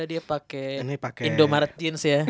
dia pakai indomaret jeans ya